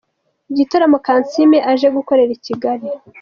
Igitaramo Kansiime aje gukorera i Kigali.